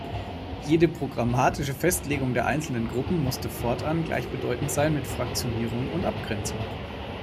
Jede programmatische Festlegung der einzelnen Gruppen musste fortan gleichbedeutend sein mit Fraktionierung und Abgrenzung.